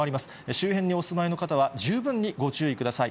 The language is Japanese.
周辺にお住まいの方は十分にご注意ください。